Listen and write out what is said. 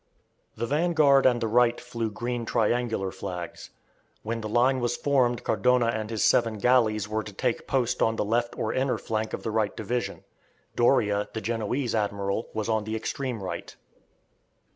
The vanguard and the right flew green triangular flags. When the line was formed Cardona and his seven galleys were to take post on the left or inner flank of the right division. Doria, the Genoese admiral, was on the extreme right.